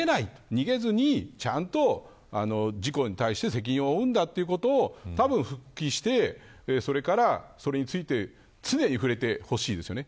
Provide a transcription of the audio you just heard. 逃げずに、ちゃんと事故に対して責任を負うんだということをたぶん、復帰してそれからそれについて常に触れてほしいですよね。